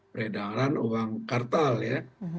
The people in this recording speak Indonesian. beredaran uang kartal ya